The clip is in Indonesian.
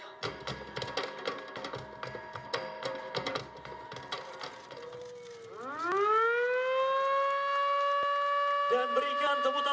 berikutnya dia adalah baiklah